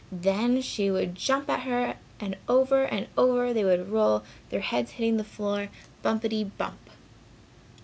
Then she would jump at her and over and over they would roll, their heads hitting the floor bumpity bump.